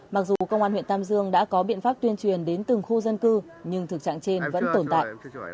mặc dù công an huyện tam dương đã có biện pháp tuyên truyền đến từng khu dân cư nhưng thực trạng trên vẫn tồn tại